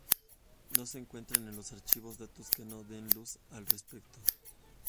No se encuentran en los archivos datos que nos den luz al respecto.